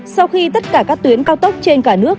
sau khi tất cả các tuyến cao tốc trên cả nước